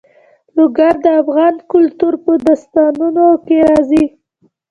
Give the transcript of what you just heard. لوگر د افغان کلتور په داستانونو کې راځي.